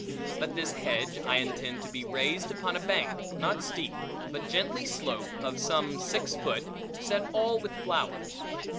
But this hedge I intend to be raised upon a bank, not steep, but gently slope, of some six foot, set all with flowers.